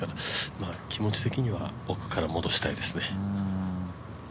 気持ち的には奥から戻したいですね。